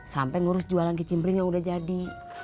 sampe ngurus jualan kicim teling yang udah jadi